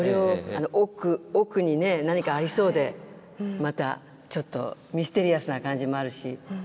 奥にね何かありそうでまたちょっとミステリアスな感じもあるし。